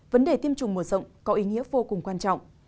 vấn đề tiêm chủng mở rộng có ý nghĩa vô cùng quan trọng